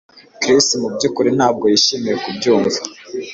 Chris mubyukuri ntabwo yishimiye kubyumva